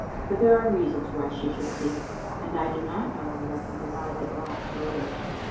But there are reasons why she should see ; and I do not know that I can provide the glass for others.